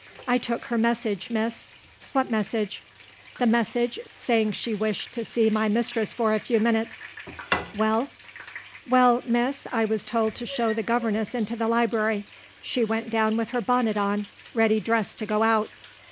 "I took her message, Miss." "What message?" "The message, saying she wished to see my mistress for a few minutes." "Well?" "Well, Miss, I was told to show the governess into the library. She went down with her bonnet on, ready dressed to go out.